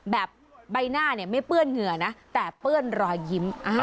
ใบหน้าเนี่ยไม่เปื้อนเหงื่อนะแต่เปื้อนรอยยิ้ม